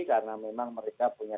karena memang mereka punya